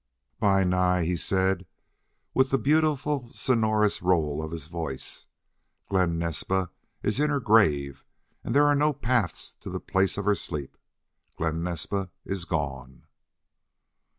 "Bi Nai," he said, with the beautiful sonorous roll in his voice, "Glen Naspa is in her grave and there are no paths to the place of her sleep. Glen Naspa is gone."